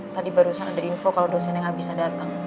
tadi barusan ada info kalo dosennya gak bisa dateng